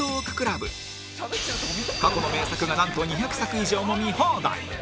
過去の名作がなんと２００作以上も見放題！